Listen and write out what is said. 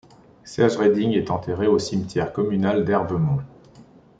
Serge Reding est enterré au cimetière communal d'Herbeumont.